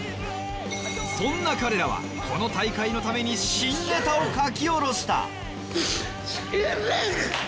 そんな彼らはこの大会のために新ネタを書き下ろしたチキンレッグ！